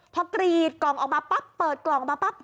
เพราะกรีดกล่องออกมาปั๊บ